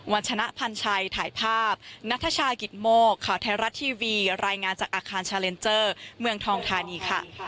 วันชนะพันชัยถ่ายภาพนัทชากิตโมกข่าวไทยรัฐทีวีรายงานจากอาคารชาเลนเจอร์เมืองทองธานีค่ะ